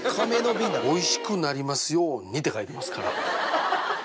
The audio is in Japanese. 「おいしくなりますように」って書いてますから。